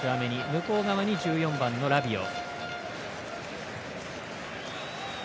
向こう側に１４番のラビオ。